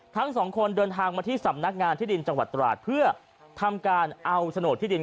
ทั้งสองคนเดินทางมาที่สำนักงานที่ดินจังหวัดตราดเพื่อทำการเอาโฉนดที่ดิน